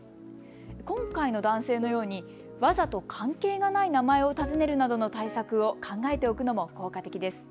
今回の男性のようにわざと関係がない名前を尋ねるなどの対策を考えておくのも効果的です。